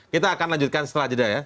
kita akan lanjutkan setelah jeda ya